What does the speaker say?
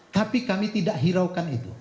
tapi kami tidak hiraukan itu